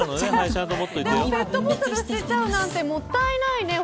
でもペットボトルを捨てちゃうなんてもったいないね。